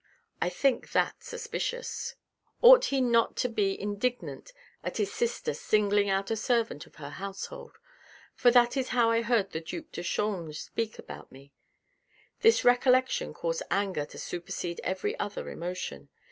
I think that suspicious. Ought he not to be indignant at his sister singling out a servant of her household ? For that is how I heard the Duke de Chaulnes speak about me. This recollection caused anger to supersede every other emotion.